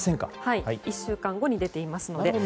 １週間後に出ていますので。